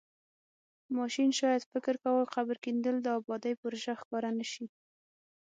ماشین شاید فکر کاوه قبر کیندل د ابادۍ پروژه ښکاره نشي.